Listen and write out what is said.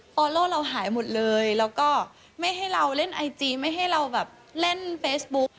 ออโล่เราหายหมดเลยแล้วก็ไม่ให้เราเล่นไอจีไม่ให้เราแบบเล่นเฟซบุ๊ก